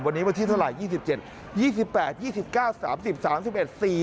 วันนี้วันที่เท่าไร๒๗๒๘๒๙๓๐๓๑